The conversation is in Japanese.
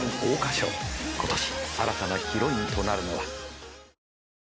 今年新たなヒロインとなるのは？